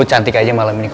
cantik banget hari ini